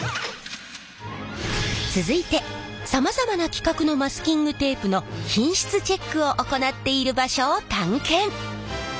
続いてさまざまな規格のマスキングテープの品質チェックを行っている場所を探検！